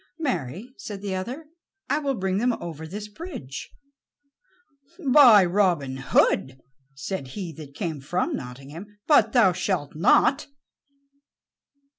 "Marry," said the other, "I will bring them over this bridge." "By Robin Hood," said he that came from Nottingham, "but thou shalt not."